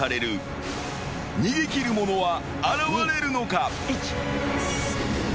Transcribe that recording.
［逃げ切る者は現れるのか？］